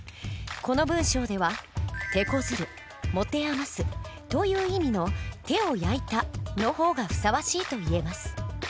この文章では「手こずる」「もてあます」という意味の「手を焼いた」の方がふさわしいといえます。